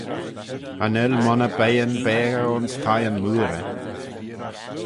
Cha nel monney beiyn baghey ayns thieyn mooarey.